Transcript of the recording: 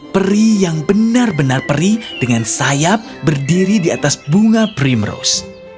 peri yang benar benar perih dengan sayap berdiri di atas bunga primrose